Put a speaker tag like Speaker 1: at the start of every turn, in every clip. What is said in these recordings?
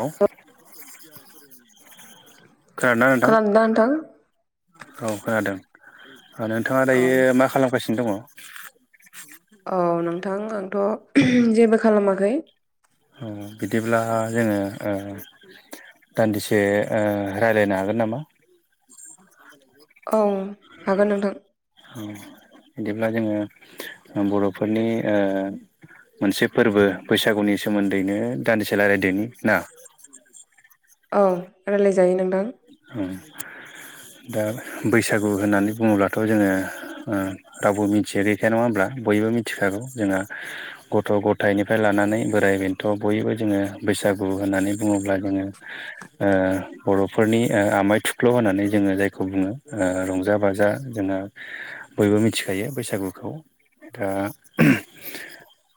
Speaker 1: हेल' खोनादों ना नोंथां
Speaker 2: दा नोंथां
Speaker 1: औ खोनादों नोंथाङा
Speaker 2: औ
Speaker 1: दायो मा खालामगासिनो दङ
Speaker 2: औ नोंथां आंथ' जेबो खालामाखै
Speaker 1: अ बिदिब्ला जोङो दान्दिसे ओ रायलायनो हागोन नामा
Speaker 2: औ हागोन नोंथां
Speaker 1: बिदिब्ला जोङो बर'फोरनि मोनसे फोरबो बैसागुनि सोमोन्दैनो दानदिसेला रायलायदोनि ना
Speaker 2: औ रायलायजायो नोंथां
Speaker 1: दा बैसागु होननानै बुङोब्लाथ' जोङो रावबो मिथिया गैखाया नङा होमब्ला बयबो मिथिखागौ जोंहा गथ' गथायनिफ्राय लानानै बोराइ बेन्थ' बयबो जोङो बैसागु होननानै बुङोब्ला जोङो ओ बर'फोरा फोरनि ओ आमाय थुख्ल' होननानै जोङो जायखौ बुङो रंजा बाजा जोंहा बयबो मिथिखायो बैसागुखौ दा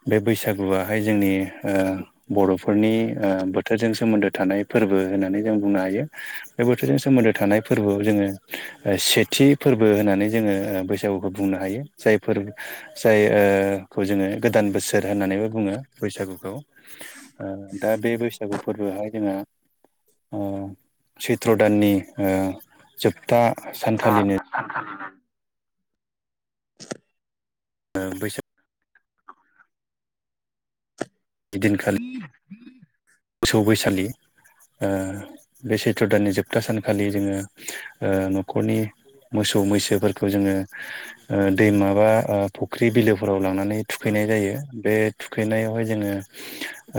Speaker 1: बे बैसागुआहाय जोंनि बर'फोरनि बोथोरजों सोमोन्दो थानाय फोरबो होननानै जों बुंनो हायो बे बोथोरजों सोमोन्दो थानाय फोरबोआव जोङो सेथि फोरबो होननानै जोङो बैसागुखौ बुंनो हायो जाय फोरबो जायखौ जोङो गोदान बोसोर होननानैबो बुङो बैसागुखौ ओ दा बे बैसागु फोरबोआहाय जोंहा ओ सैत्र' दाननि ओ जोबथा सानखालिनो
Speaker 2: सानखालिनो
Speaker 1: ओ बैसाग दिनखालि
Speaker 2: [unintelligible]
Speaker 1: मोसौ बैसालि बे सैथ्र दाननि जोबथा सानखालि जोङो न'खरनि मोसौ मैसोफोरखौ जोङो ओ दै माबा फुख्रि बिलोफोराव लांनानै थुखैनाय जायो बे थुखैनायावहाय जोङो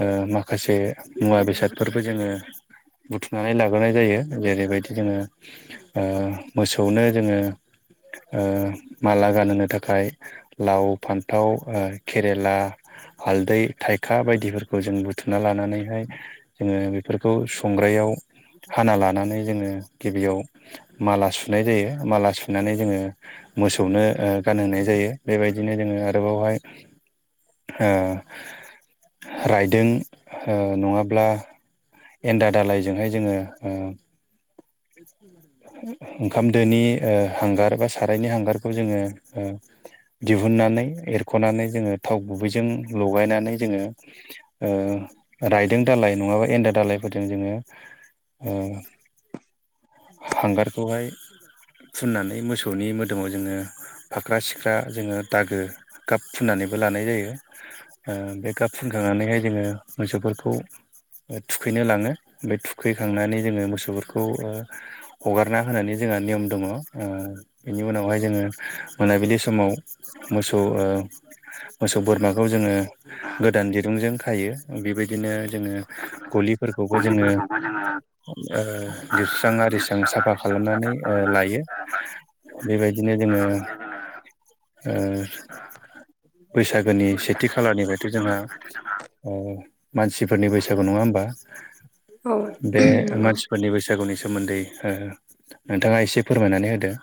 Speaker 1: ओ माखासे मुवा बेसादफोरबो जोङो बुथुमनानै लाबोनाय जायो जेरैबायदि जोङो ओ मोसौनो जोङो ओ माला गानहोनो थाखाय लाव फानथाव ओ केरेला हालदै थाइखा बायदिफोरखौ जों बुथुमना लानानैहाय जोङो बेफोरखौ संग्रायाव हाना लानानै जोङो गिबियाव माला सुनाय जायो माला सुनानै जोङो मोसौनो ओ गानहोननाय जायो बेबायदिनो जोङो आरोबावहाय ओ रायदों ओ नङाब्ला अब्ला एनदा दालइजोंहाय जोङो ओंखाम दोनि हांगार बा सारायनि हांगारखौ जोङो ओ दिहुननानै एरख'नानै जोङो थाव गुबैजों लगायनानै जोङो ओ राय दों दालाय नङाबा एनदा दालायफोरजों जोङो हांगारखौहाय फुननानै मोसौनि मोदोमाव जोङो फाख्रा सिख्रा जोङो दागो गाब फुननानैबो लानाय जायो ओ बे गाब फुंखांनानैहाय जोङो मोसौफोरखौ थुखैनो लाङो बे थुखैखांनानै जोङो मोसौफोरखौ हगारना होनानै जोंहा नियम दङ ओ बेनि उनावहाय जोङो मोनाबिलि समाव मोसौ मोसौ बोरमाखौ जोङो गोदान दिरुंजों खायो बेबायदिनो जोङो गलिफोरखौबो जोङो ओ लिरस्रां आरिस्रां साफा खालामनानै ओ लायो बेबायदिनो जोङो ओ बैसागोनि सेथि खालारनिफ्रायथ' जोंहा ओ मानसिफोरनि बैसागु नङा होमबा
Speaker 2: औ
Speaker 1: बे
Speaker 2: नंगौ
Speaker 1: मानसिफोरनि बैसागुनि सोमोनदै ओ नोंथांआ एसे फोरमायनानै होदो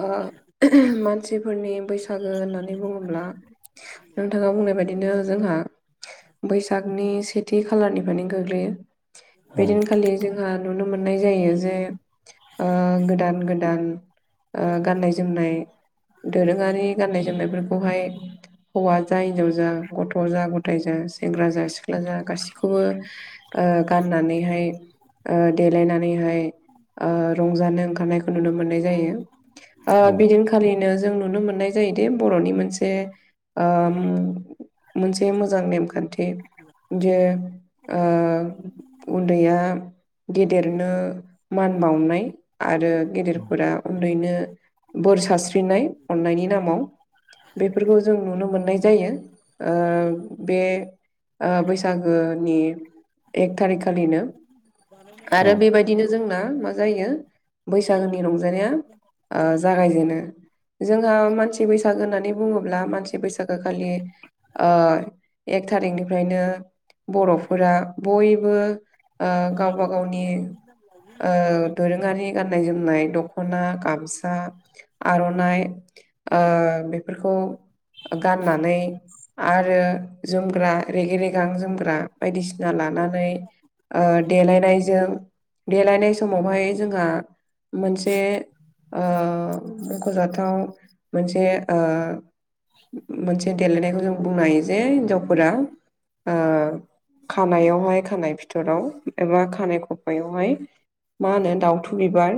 Speaker 2: ओ उम मानसिफोरनि बैसागो होननानै बुङोब्ला नोंथांआ बुंनाय बायदिनो जोंहा बैसागनि सेथि खालारनिफ्रायनो गोग्लैयो
Speaker 1: औ
Speaker 2: बेदिनखालि जोंहा नुनो मोननाय जायो जे ओ गोदान गोदान ओ गाननाय जोमनाय दोरोंआरि गाननाय जोमनायफोरखौहाय हौवा जा हिनजाव जा गथ' जा गथाय जा सेंग्रा जा सिख्ला जा गासैखौबो ओ गाननानैहाय ओ देलायनानैहाय ओ रंजानो ओंखारनायखौ नुनो मोननाय जायो ओ
Speaker 1: औ
Speaker 2: बिदिनखालिनो जों नुनो मोननाय जायोदि बर'नि मोनसे ओम मोनसे मोजां नेमखानथि जे ओ उन्दैआ गेदेरनो मान बावनाय आरो गेदेरफोरा उन्दैनो बोर सारस्रिनाय अन्नायनि नामाव बेफोरखौ जों नुनो मोननाय जायो ओ बे ओ बैसागोनि एक थारिकखालिनो
Speaker 1: औ
Speaker 2: आरो बेबायदि बिदिनो जोंना मा जायो बैसागोनि रंजानाया ओ जागायजेनो जोंहा मानसि बैसागो होननानै बुङोब्ला मानसि बैसागो खालि ओ एक थारिखनिफ्रायनो बर'फोरा बयबो ओ गावबा गावनि ओ दोरोंआरि गाननाय जोमनाय दख'ना गामसा आर'नाइ ओ बेफोरखौ ओ गाननानै आरो जोमग्रा रेगे रेगां जोमग्रा बायदिसिना लानानै ओ‌ देलायनायजों देलायनाय समावहाय जोंहा मोनसे ओ मख'जाथाव मोनसे ओ मोनसे देलायनायखौ जों बुंनो हायो जे हिन्जावफोरा ओ खानायावहाय खानाय फिथरावहाय एबा खानाइ खफायावहाय मा होनो दाउथु बिबार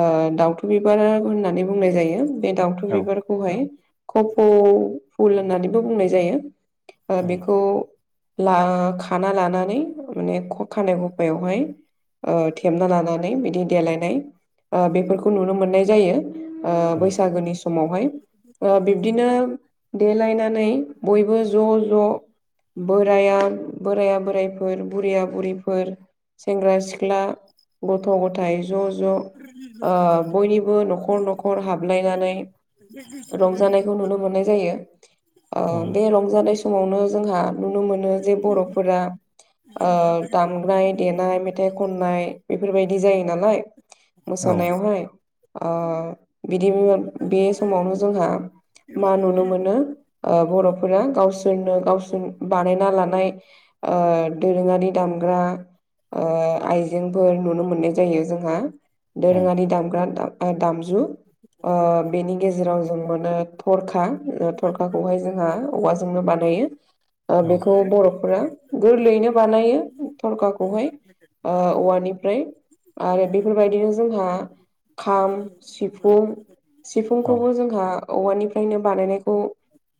Speaker 2: ओ दाउथु बिबार होननानै बुंनाय जायो बे दावथुन
Speaker 1: औ
Speaker 2: बिबार खौहाय कफौ फुल होननानैबो बुंनाय जायो ओ बेखौ ला खाना लानानै माने खानाय खफायावहाय ओ थेबना लानानै बिदि देलायनाय ओ बेफोरखौ नुनो मोननाय जायो ओ
Speaker 1: औ
Speaker 2: बैसागोनि सम समावहाय ओ बिब्दिनो देलायनानै बयबो ज' ज' बोराया बोराया बोराइफोर बुरैआ बुरिफोर सेंग्रा सिख्ला गथ' ग'थाय ज' ज' ओ बयनिबो न'खर न'खर हाबलायनानै रंजानायखौ नुनो मोननाय जायो ओ बे रंजानाय समावनो जोंहा नुनो मोनो जे बर'फोरा ओ दामनाय देनाय मेथाइ खननाय बेफोरबायदि जायो नालाय
Speaker 1: औ
Speaker 2: मोसानाव ओ बेदि बे समावनो जोंहा मा नुनो मोनो ओ बर'फोरा गावसोरनो गावसोर बानायना लानाय दोरोङारि दामग्रा आइजेंफोर नुनो मोननाय जायो जोंहा दोरोङारि दामग्रा दामजु बेनि गेजेराव जों मोनो थरखा थरखाखौहाय जोंहा औवाजोंनो बानायो बेखौ बर'फोरा गोरलैयैनो बानायो थरखाखौहाय ओ औवानिफ्राय आरो बेफोरबायदिनो जोंहा खाम सिफुं
Speaker 1: औ
Speaker 2: सिफुंखौबो जों जोंहा औवानिफ्रायनो बानायनाय खौ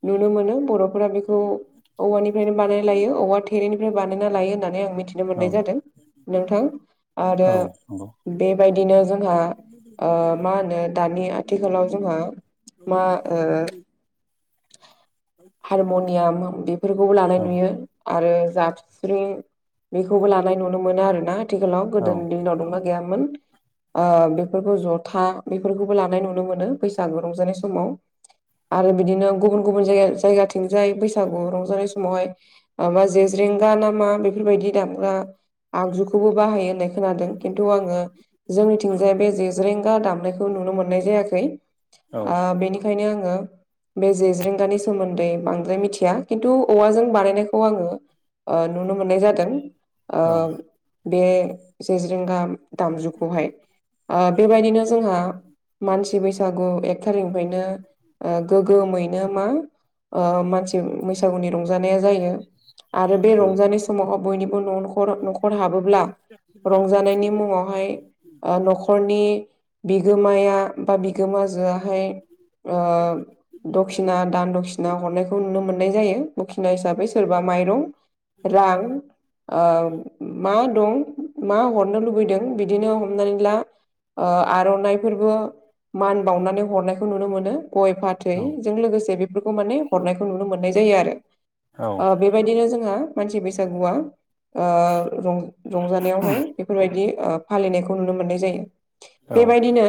Speaker 2: नुनो मोनो बर'फोरा बेखौ औवानिफ्रायनो बानाय लायो औवा थेरनि बानायनानै लायो होननानै आं मिथिनो
Speaker 1: औ
Speaker 2: मोननाय जादों नोंथां आरो
Speaker 1: औ नंगौ
Speaker 2: बे बेबायदिनो जोंहा मा होनो दानि आथिखालाव जोंहा मा ओ हारम'नियाम बेफोरखौबो लानाय
Speaker 1: औ
Speaker 2: नुयो आरो जाफस्रिं बेखौबो लानाय नुनो मोनो आरोना आथिखालाव
Speaker 1: औ
Speaker 2: गोदोनि दिनाव दंना गैयामोन बेफोरखौ जथा बेफोरखौबो लानाय नुनो मोनो बैसागु रंजानाय समाव आरो बिदिनो गुबुन गुबुन जाय जायगाथिंजाय बैसागु रंजानाय समावहाय माबा जेज्रेंगा नामा बेफोरबायदि दामग्रा आगजुखौबो बाहायो होननाय खोनादों खिन्थु आङो जोंनिथिंजाय बे जेज्रेंगा दामनायखौ नुनो मोननाय जायाखै ओ
Speaker 1: औ
Speaker 2: बेनिखायनो आङो बे जेज्रेंगानि सोमोन्दै बांद्राय मिथिया खिन्थु औवाजों बानायनायखौ आङो ओ नुनो मोननाय जादों ओ बे जेज्रेंगा दामजुखौहाय ओ बेबायदिनो जोंहा मानसि बैसागु एक थारिखनिफ्रायनो ओ गोगोमैनो मा ओ मानसि बैसागुनि रंजानाया जायो आरो बे रंजानाय समावहाय बयनिबो न न नखर नखर हाबोब्ला रंजानायनि मुङावहाय ओ नख खरनि बिगोमाया बा बिगोमाजोआहाय ओ दखिना दान दखिना हरनायखौ नुनो मोननाय जायो दखिना हिसाबै सोरबा माइरं रां ओ मा दं मा हरनो लुबैदों बिदिनो हमनानै ला आर'नाइफोरबो मान बावनानै हरनायखौ नुनो मोनो गय फाथै
Speaker 1: औ
Speaker 2: जों लोगोंसे बेफोरखौ माने हरनायखौ नुनो मोननाय जायो आरो,
Speaker 1: औ
Speaker 2: ओ बे बायदिनो जोंहा मानसि बैसागुआ ओ रं रंजानायावहाय बेफोरबायदि ओ फालिनायखौ नुनो मोननाय जायो
Speaker 1: औ
Speaker 2: बेबायदिनो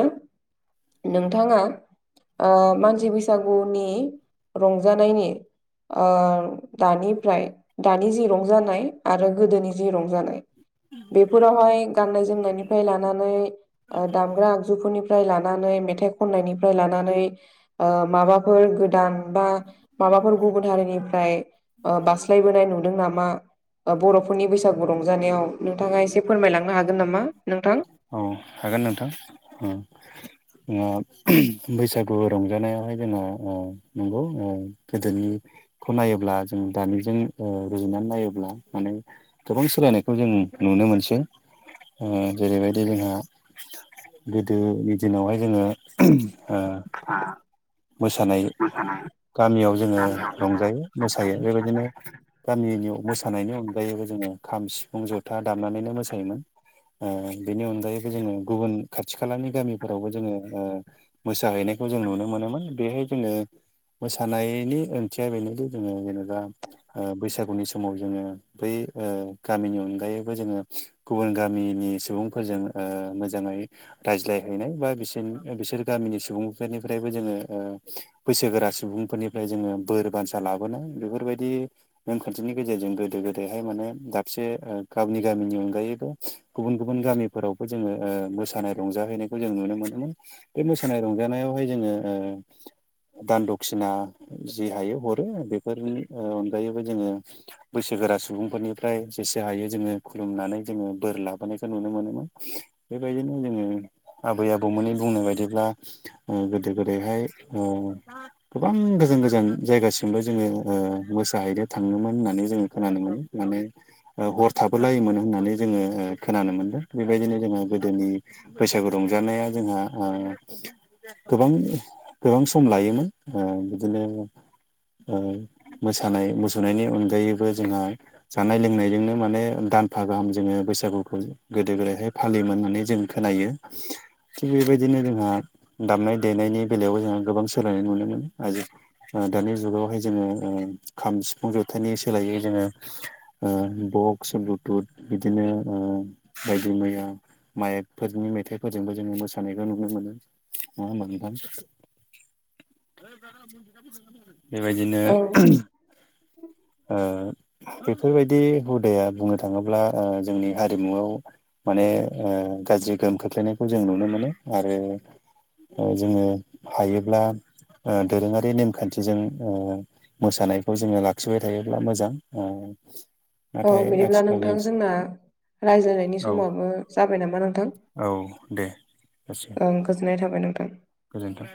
Speaker 2: नोंथाङा ओ मानसि बैसागुनि रंजानायनि ओ दानिफ्राय दानि जि रंजानाय आरो गोदोनि जि रंजानाय बेफोरावहाय गाननाय-जोमनायनिफ्राय लानानै ओ दामग्रा आगजुफोरनिफ्राय लानानै मेथाइ खननायनिफ्राय लानानै ओ माबाफोर गोदान बा माबाफोर गुबुन हारिनिफ्राय ओ बास्लायबोनाय नुदों नामा बर'फोरनि बैसागु रंजानायाव नोंथाङा एसे फोरमायलांनो हागोन नामा नोंथां?
Speaker 1: औ हागोन नोंथां औ बैसागु रंजानायावहाय जोंना ओ नंगौ ओ गोदोनि खौ नायोब्ला जों दानिजों रुजुनानै नायोब्ला माने गोबां सोलायनायखौ जों नुनो मोनसै ओ जेरैबायदि जोंहा गोदोनि दिनावहाय जोङो ओ
Speaker 2: [unintelligible]
Speaker 1: मोसानाय गामियाव जोङो रंजायो मोसायो बेबायदिनो गामिनि मोसानायनि अनगायै अनगायैबो जोङो खाम, सिफुं, जथा दामनानैनो मोसायोमोन। ओ बेनि अनगायैबो जोङो गुबुन खाथि खालानि गामिफोरावबो जोङो ओ मोसाहैनायखौ जोंङो ओ नुनो मोनोमोन बेहाय जोङो मोसानायनि ओंथिया बेनोदि जोङो जेनबा ओ ओ बैसागुनि समाव जोङो बै ओ गामिनि अनगायैबो जोङो गुबुन गामिनि सुबुंफोरजों ओ मोजाङै रायज्लायहैनाय बा बिसोर बिसोर गामिनि सुबुंफोरनिफ्रायबो जोङो। ओ बैसोगोरा सुबुंफोरनिफ्राय जोङो बोर बान्सा लाबोनाय बेफोरबायदि नेमखान्थिनि गेजेरजों गोदो गोदायहाय माने दाबसे गावनि गामिनि अनगायैबो गुबुन गुबुन गामिफोरावबो जोङो ओ मोसानाय रंजाहैनायखौ जों नुनो मोनोमोन। बे मोसानाय रंजानायावहाय जोङो ओ दान दखिना जि हायो हरो बेफोरनि ओ अनगायैबो जोङो ओ बैसोगोरा सुबुंफोरनिफ्राय जेसे हायो जोङो खुलुमनानै जोङो बोर लाबोनायखौ नुनो मोनोमोन। बेबायदिनो जोङो आबै-आबौमोननि बुंनाय बायदिब्ला ओ गोदो-गोदायहाय ओ गोबां गोजान गोजान जायगासिमबो जोङो ओ मोसाहैनो थाङोमोन होननानै जोङो खोनानो मोनो। माने ओ हर थाबोलायोमोन होननानै जोङो खोनानो मोनदों बेबायदिनो जोङो गोदोनि ओ बैसागु रंजानाया जोंहा गोबां ओ गोबां सम लायोमोन ओ बिदिनो ओ मोसानाय मुसुरनायनि अनगायैबो जोंहा जानाय लोंनायजोंनो माने दानफा गाहाम जोङो बैसागुखौ गोदो गोदायहाय फालियोमोन होननानै जों खोनायो। थिग बेबायदिनो जोंहा दामनाय देनायनि बेलायावबो हा गोबां सोलायनाय नुनो मोनो दायो। दानि जुगावहाय जोङो खाम सिफुं जथायनि सोलायै जोङो। ओ बक्स ब्लुथुथ बिदिनो बायदि मैया माइकफोरनि मेथाइफोरजोंबो जोङो मोसानायखौ नुनो मोनो नङा होमबा नोंथां? बेबादिनो
Speaker 2: औ
Speaker 1: बेफोरबादि हुदाया बुंनो थाङोब्ला जोंनि हारिमुआव माने ओ गाज्रि गोहोम खोख्लैनायखौ जों नुनो मोनो आरो ओ जोङो हायोब्ला दोरोङारि नेमखान्थिजों मोसानायखौ जोङो ला खिबाय थायोब्ला मोजां ओ।
Speaker 2: ओ औ
Speaker 1: नाथाय
Speaker 2: बिदिब्ला
Speaker 1: आथिखालनि
Speaker 2: नोंथां जोंना रायज्लायनायनि
Speaker 1: औ
Speaker 2: समावबो जाबाय नामा नोंथां
Speaker 1: औ दे जासिगोन
Speaker 2: ओं। गोजोननाय थाबाय नोंथां।
Speaker 1: गोजोन्थों